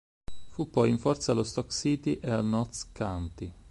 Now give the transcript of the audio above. Fu poi in forza allo Stoke City e al Notts County.